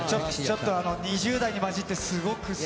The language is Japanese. ちょっと２０代にまじってすごく。